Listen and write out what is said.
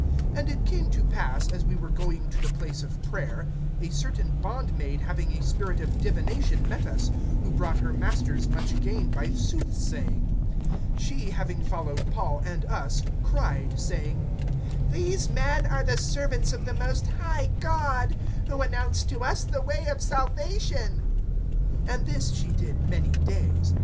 (16)And it came to pass, as we were going to the place of prayer, a certain bondmaid having a spirit of divination met us, who brought her masters much gain by soothsaying. (17)She, having followed Paul and us, cried, saying: These men are the servants of the most high God, who announce to us the way of salvation. (18)And this she did many days.